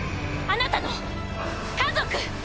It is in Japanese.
あなたの家族！